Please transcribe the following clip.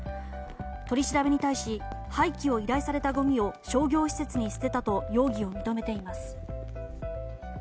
取り調べに対し廃棄を依頼されたごみを商業施設に捨てたと容疑を認めています。